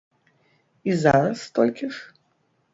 І зараз столькі ж?